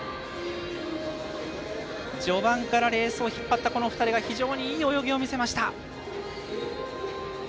序盤からレースを引っ張ったこの２人が非常にいい泳ぎを見せました。